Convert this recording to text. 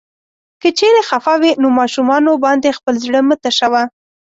که چيرې خفه وې نو ماشومانو باندې خپل زړه مه تشوه.